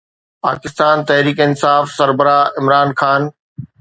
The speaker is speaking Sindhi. پاڪستان تحريڪ انصاف سربراهه عمران خان